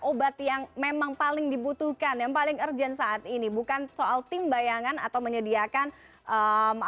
obat yang memang paling dibutuhkan yang paling urgent saat ini bukan soal tim bayangan atau menyediakan